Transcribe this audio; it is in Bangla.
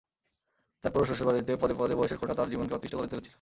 তারপরও শ্বশুরবাড়িতে পদে পদে বয়সের খোঁটা তার জীবনকে অতিষ্ঠ করে তুলেছিল।